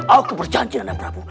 aku berjanji nanda prabu